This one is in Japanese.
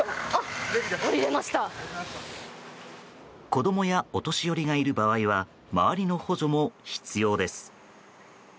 子供やお年寄りがいる場合は周りの補助も必要です。